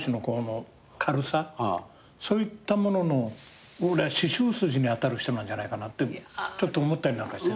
そういったものの師匠筋に当たる人なんじゃないかなってちょっと思ったりなんかして。